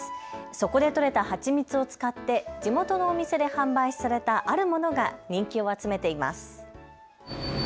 そこで採れた蜂蜜を使って地元のお店で販売されたあるものが人気を集めています。